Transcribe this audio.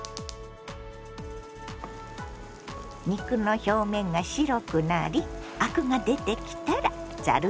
肉の表面が白くなりアクが出てきたらざるにとります。